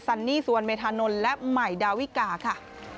ซันนี่สวนเมธานนท์และหมายดาวิกาค่ะ